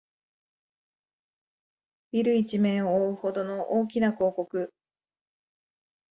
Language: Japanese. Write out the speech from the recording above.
ビル一面をおおうほどの大きな広告